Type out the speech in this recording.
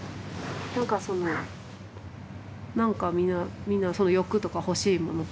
何かその何か皆みんな欲とか欲しいものとか。